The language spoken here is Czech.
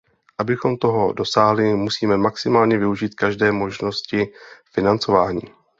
Abychom toho dosáhli, musíme maximálně využít každé možnosti financování.